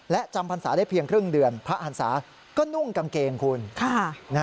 และจำพรรษาได้เพียงครึ่งเดือนพระหันศาก็นุ่งกางเกงคุณ